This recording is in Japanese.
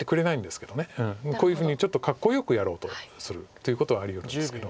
こういうふうにちょっとかっこよくやろうとするということはありうるんですけど。